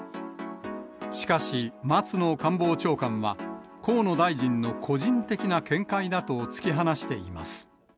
しかし、松野官房長官は、河野大臣の個人的な見解だと突き放しています。